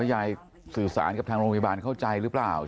ยายสื่อสารกับทางโรงพยาบาลเข้าใจหรือเปล่า